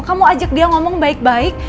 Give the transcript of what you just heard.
kamu ajak dia ngomong baik baik